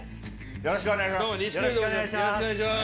よろしくお願いします。